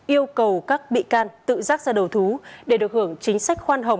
yêu cầu các bị can tự rác ra đầu thú